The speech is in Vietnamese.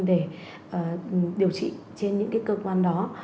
để điều trị trên những cái cơ quan đó